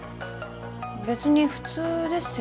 別に普通ですよね？